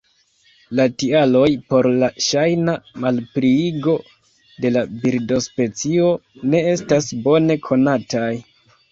La tialoj por la ŝajna malpliigo de la birdospecio ne estas bone konataj.